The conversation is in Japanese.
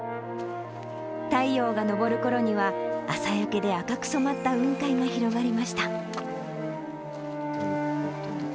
太陽が昇るころには、朝焼けで赤く染まった雲海が広がりました。